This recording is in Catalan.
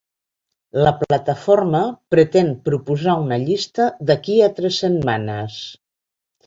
La plataforma pretén proposar una llista d’aquí a tres setmanes.